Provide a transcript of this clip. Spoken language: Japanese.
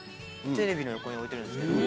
テレビの横に置いてるんですけど。